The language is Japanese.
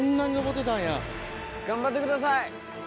頑張ってください。